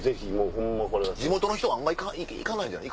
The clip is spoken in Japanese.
地元の人はあんま行かないんじゃない？